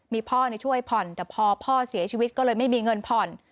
มีพ่อในช่วยผ่อนแต่พอเฝ้าชีวิตไม่มีเงินผ่อน